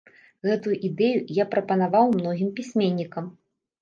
Гэтую ідэю я прапанаваў многім пісьменнікам.